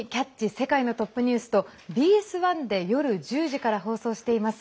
世界のトップニュース」とＢＳ１で夜１０時から放送しています